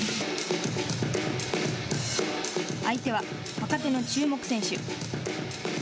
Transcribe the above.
相手は若手の注目選手。